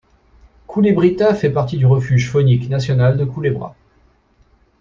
Culebrita fait partie du refuge faunique national de Culebra.